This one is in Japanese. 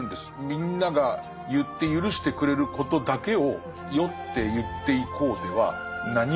みんなが言って許してくれることだけを選って言っていこうでは何も響かない。